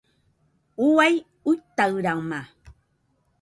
Uai uitaɨrama